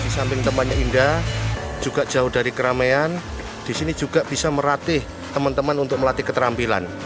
di samping tempatnya indah juga jauh dari keramaian di sini juga bisa meratih teman teman untuk melatih keterampilan